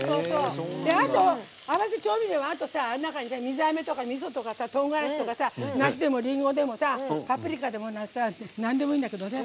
あと、合わせ調味料と水あめとかみそとかとうがらしとか梨でも、りんごでもパプリカでもなんでもいいんだけどね。